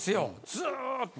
ずっと！